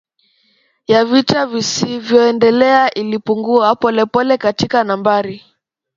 ya vita visivyoendelea ilipungua polepole katika nambari